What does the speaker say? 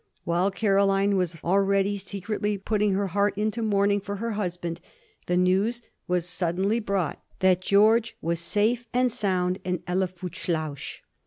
While Caroline was already secretly putting her heart into mourning for her husband the news was suddenly brought that George was safe and sound in Helvoetsluis.